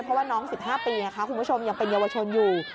เพราะว่าน้อง๑๕ปีคุณผู้ชมยังเป็นเยาวชนอยู่